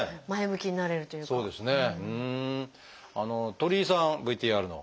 鳥居さんＶＴＲの。